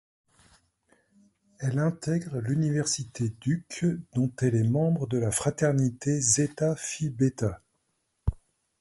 Elle intègre l'Université Duke, dont elle est membre de la fraternité Zeta Phi Beta.